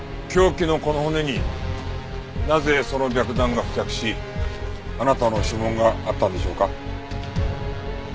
凶器のこの骨になぜその白檀が付着しあなたの指紋があったんでしょうか？